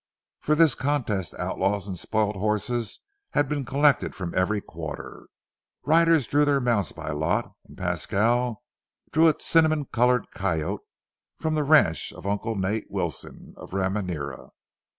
For this contest outlaws and spoilt horses had been collected from every quarter. Riders drew their mounts by lot, and Pasquale drew a cinnamon colored coyote from the ranch of "Uncle Nate" Wilson of Ramirena.